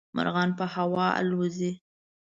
مرغان په هوا الوزي.